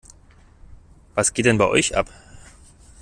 Was geht denn bei euch ab?